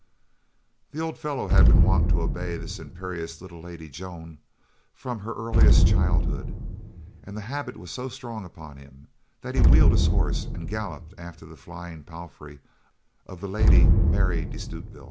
The old fellow had been wont to obey the imperious little Lady Joan from her earliest childhood, and the habit was so strong upon him that he wheeled his horse and galloped after the flying palfrey of the Lady Mary de Stutevill.